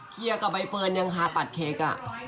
เครียร์กับใบเปื้อนยังหาตัดเคคอะ